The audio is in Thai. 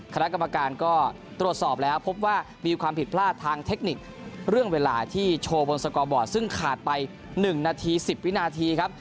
คณะกรรมการก็ตรวจสอบแล้วพบว่ามีความผิดพลาดทางเทคนิคเรื่องเวลาที่โชว์บนสกอร์บอร์ดซึ่งขาดไป๑นาที๑๐วินาทีครับ